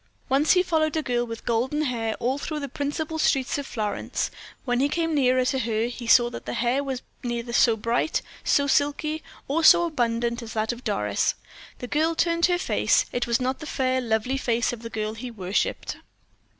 Once he followed a girl with golden hair all through the principal streets of Florence; when he came nearer to her, he saw that the hair was neither so bright, so silky, or so abundant as that of Doris. The girl turned her face it was not the fair, lovely face of the girl he worshiped.